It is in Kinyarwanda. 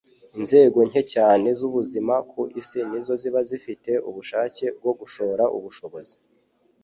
Inzego nke cyane z'ubuzima ku isi ni zo ziba zifite ubushake bwo gushora ubushobozi